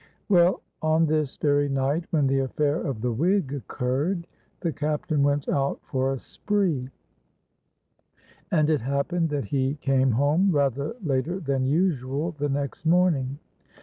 Well, on this very night, when the affair of the wig occurred, the Captain went out for a spree; and it happened that he came home rather later than usual the next morning.